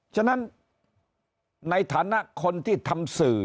ฉะนั้นในฐานะคนที่ทำสื่อ